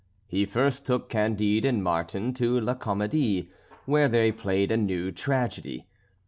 He first took Candide and Martin to La Comédie, where they played a new tragedy.